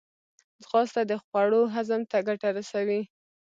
ځغاسته د خوړو هضم ته ګټه رسوي